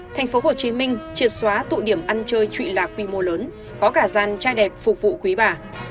thành phố hồ chí minh triệt xóa tụ điểm ăn chơi trụy lạc quy mô lớn có cả gian trai đẹp phục vụ quý bà